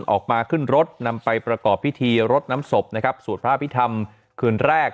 ออกมาขึ้นรถนำไปประกอบพิธีรดน้ำศพนะครับสวดพระอภิษฐรรมคืนแรก